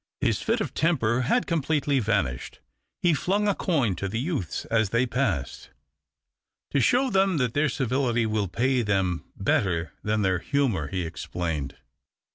His fit >f temper had completely vanished. He flung I coin to the youths as they passed. "To show them that their civility will pay ^hem better than their humour," he explained.